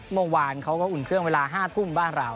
เมื่อวานเขาก็อุ่นเครื่องเวลา๕ทุ่มบ้านเรา